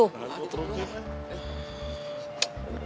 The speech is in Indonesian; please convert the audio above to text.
gak ada gitu